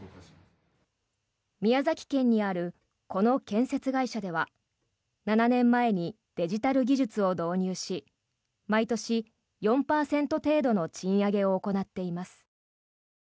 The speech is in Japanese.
宮崎県にあるこの建設会社では７年前にデジタル技術を導入し毎年４％程度の賃上げを行っています。